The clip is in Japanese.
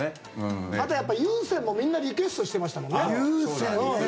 あとやっぱりＵＳＥＮもみんなリクエストしてましたもんね。